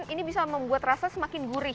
ini bisa membuat rasa semakin gurih